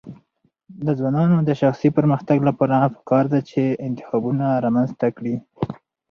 د ځوانانو د شخصي پرمختګ لپاره پکار ده چې انتخابونه رامنځته کړي.